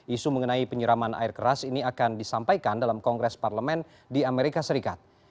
isu mengenai penyiraman air keras ini akan disampaikan dalam kongres parlemen di amerika serikat